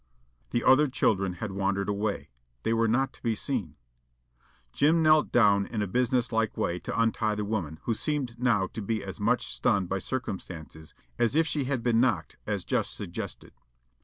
The other children had wandered away. They were not to be seen. Jim knelt down in a business like way to untie the woman, who seemed now to be as much stunned by circumstances as if she had been knocked as just suggested.